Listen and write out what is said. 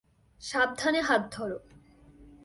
সাবধানে হাত ধরো।